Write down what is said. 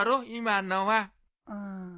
うん。